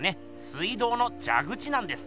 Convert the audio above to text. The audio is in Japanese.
水道のじゃ口なんです。